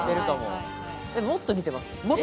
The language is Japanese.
もっと似てます。